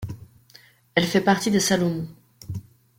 Elle fait partie des Salomon.